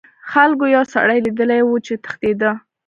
خلکو یو سړی لیدلی و چې تښتیده.